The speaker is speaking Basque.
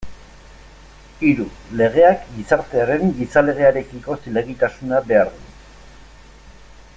Hiru, legeak gizartearen gizalegearekiko zilegitasuna behar du.